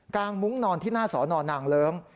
งมุ้งนอนที่หน้าสอนอนางเลิ้ง